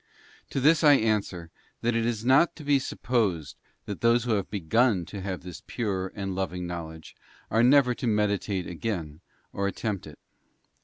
To this I answer, that it is not to be supposed that those who have begun to have this pure and loving know ledge are never to meditate again or attempt it.